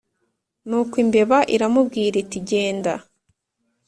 nuko imbeba iramubwira iti genda